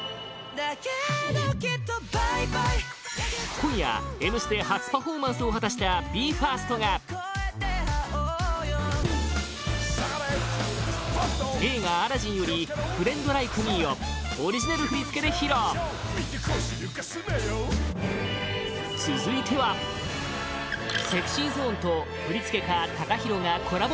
今夜、「Ｍステ」初パフォーマンスを果たしたＢＥ：ＦＩＲＳＴが映画「アラジン」より「フレンド・ライク・ミー」をオリジナル振り付けで披露続いてはＳｅｘｙＺｏｎｅと振付家ＴＡＫＡＨＩＲＯがコラボ